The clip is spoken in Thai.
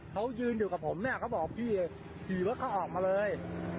เขายืนอยู่กับผมพี่เขาบอกระเบิดสี่รถเขาออกมาเลย